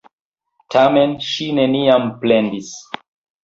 Tamen, ŝi neniam plendis.